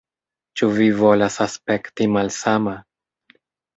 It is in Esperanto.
Ĉu vi volas aspekti malsama?